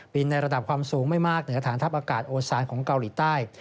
ในระดับความสูงไม่มากเหนือฐานทัพอากาศโอซานของเกาหลีใต้